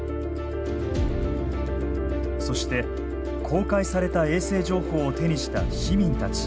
そして公開された衛星情報を手にした市民たち。